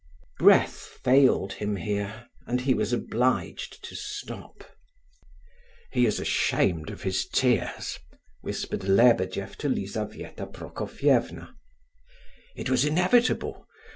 Breath failed him here, and he was obliged to stop. "He is ashamed of his tears!" whispered Lebedeff to Lizabetha Prokofievna. "It was inevitable.